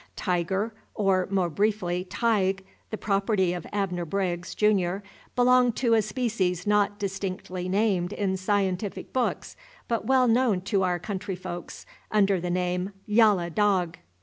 Tiger, or, more briefly, Tige, the property of Abner Briggs, Junior, belonged to a species not distinctly named in scientific books, but well known to our country folks under the name "Yallah dog."